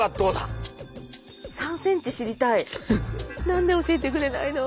何で教えてくれないの。